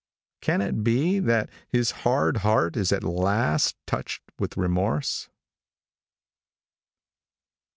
Can it be that his hard heart is at last touched with remorse?